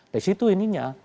dari situ ininya